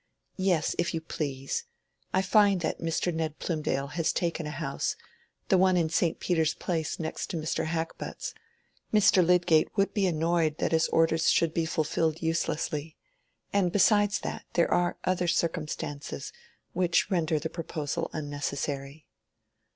"Yes, if you please. I find that Mr. Ned Plymdale has taken a house—the one in St. Peter's Place next to Mr. Hackbutt's. Mr. Lydgate would be annoyed that his orders should be fulfilled uselessly. And besides that, there are other circumstances which render the proposal unnecessary."